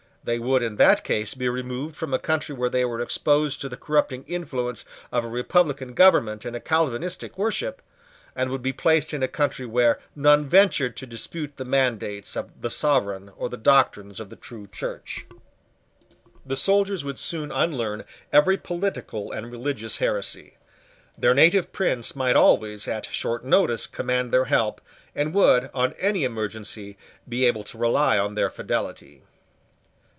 They would in that case be removed from a country where they were exposed to the corrupting influence of a republican government and a Calvinistic worship, and would be placed in a country where none ventured to dispute the mandates of the sovereign or the doctrines of the true Church. The soldiers would soon unlearn every political and religious heresy. Their native prince might always, at short notice, command their help, and would, on any emergency, be able to rely on their fidelity.